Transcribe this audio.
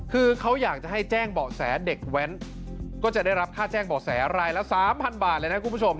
คือเขาอยากจะให้แจ้งเบาะแสเด็กแว้นก็จะได้รับค่าแจ้งเบาะแสรายละ๓๐๐บาทเลยนะคุณผู้ชม